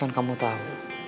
kan kamu tau